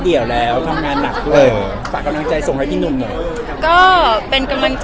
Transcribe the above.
เนี่ยมีข้อความรับใจในคำนาจ